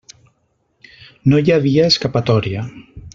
No hi havia escapatòria.